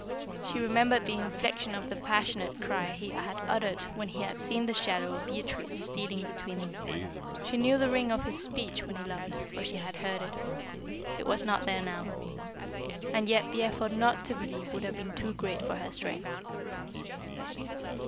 She remembered the inflection of the passionate cry he had uttered when he had seen the shadow of Beatrice stealing between them, she knew the ring of his speech when he loved, for she had heard it. It was not there now. And yet, the effort not to believe would have been too great for her strength.